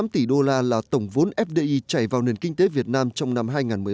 ba mươi năm tám mươi tám tỷ đô la là tổng vốn fdi chảy vào nền kinh tế việt nam trong năm hai nghìn một mươi bảy